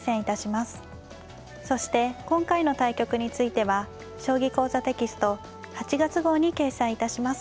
そして今回の対局については「将棋講座」テキスト８月号に掲載致します。